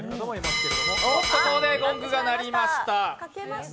ここでゴングが鳴りました。